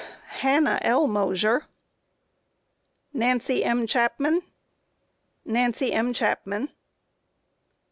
A. Hannah L. Mosher. Q. Nancy M. Chapman? A. Nancy M. Chapman.